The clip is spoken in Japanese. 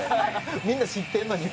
みんな知ってんのに。